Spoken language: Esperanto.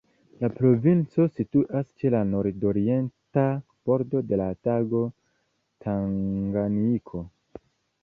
La provinco situas ĉe la nordorienta bordo de la lago Tanganjiko.